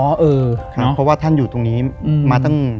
เพราะว่าท่านอยู่ตรงนี้มาตั้ง